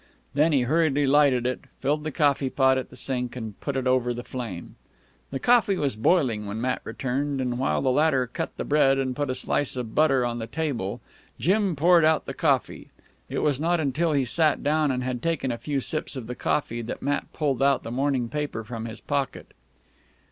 Then he hurriedly lighted it, filled the coffee pot at the sink, and put it over the flame. The coffee was boiling when Matt returned, and while the latter cut the bread and put a slice of butter on the table, Jim poured out the coffee. It was not until he sat down and had taken a few sips of the coffee, that Matt pulled out the morning paper from his pocket.